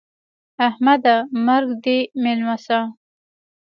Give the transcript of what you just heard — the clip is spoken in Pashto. احمده! مرګ دې مېلمه سه.